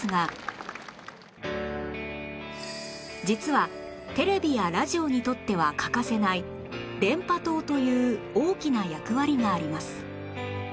実はテレビやラジオにとっては欠かせない電波塔という大きな役割があります